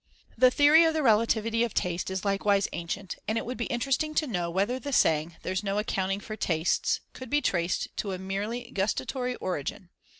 The theory of the relativity of taste is likewise ancient, and it would be interesting to know whether the saying "there's no accounting for tastes" could be traced to a merely gustatory origin.